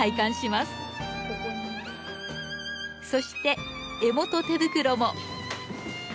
そして江本手袋も。